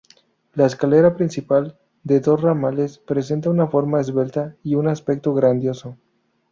La escalera principal, de dos ramales, presenta una forma esbelta y un aspecto grandioso.